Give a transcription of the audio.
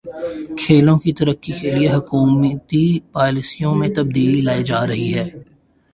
کھیلوں کی ترقی کے لیے حکومتی پالیسیوں میں تبدیلی لائی جا رہی ہے